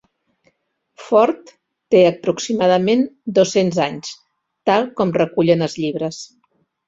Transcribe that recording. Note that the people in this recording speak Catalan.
Ford té aproximadament dos-cents anys, tal com recullen els llibres.